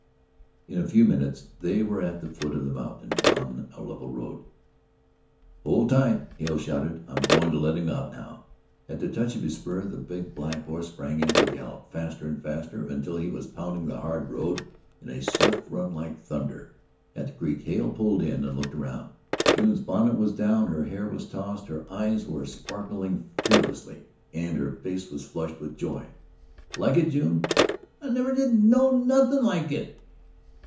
In a few minutes they were at the foot of the mountain and on a level road. "Hold tight!" Hale shouted, "I'm going to let him out now." At the touch of his spur, the big black horse sprang into a gallop, faster and faster, until he was pounding the hard road in a swift run like thunder. At the creek Hale pulled in and looked around. June's bonnet was down, her hair was tossed, her eyes were sparkling fearlessly, and her face was flushed with joy. "Like it, June?" "I never did know nothing like it."